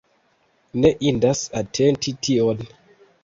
Ne indas atenti tion.